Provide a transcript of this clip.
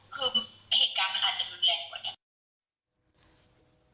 คือเหตุการณ์มันอาจจะรุนแรงกว่านี้